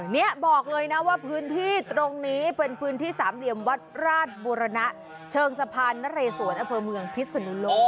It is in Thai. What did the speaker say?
นี่บอกเลยนะว่าพื้นที่ตรงนี้เป็นพื้นที่สามเหลี่ยมวัดราชบุรณะเชิงสะพานนเรศวรอำเภอเมืองพิษนุโลก